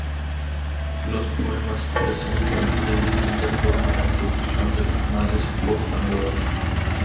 Los poemas presentan de distinta forma la introducción de los males por Pandora.